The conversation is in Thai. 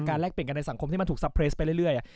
แลกเปลี่ยนกันในสังคมที่มันถูกซัพเสไปเรื่อย